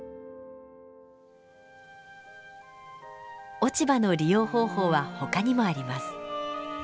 落ち葉の利用方法は他にもあります。